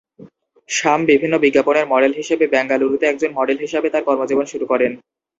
শাম বিভিন্ন বিজ্ঞাপনের মডেল হিসেবে বেঙ্গালুরুতে একজন মডেল হিসাবে তার কর্মজীবন শুরু করেন।